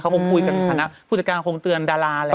เขาก็พูดกับคณะผู้จัดการโครงเตือนดาราแหละ